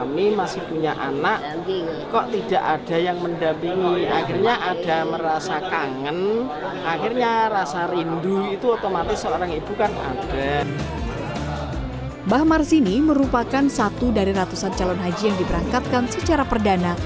mbah marsini merupakan satu dari ratusan calon haji yang diberangkatkan secara perdana